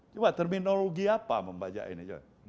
coba terminologi apa membajak ini